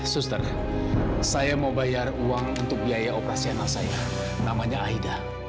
suster saya mau bayar uang untuk biaya operasi anak saya namanya aida